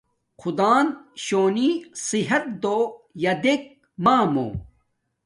خدݳن شݸنݵ صحت دݸ ݵݳ دݵک مݳمݸ.